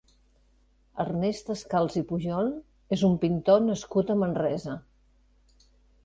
Ernest Descals i Pujol és un pintor nascut a Manresa.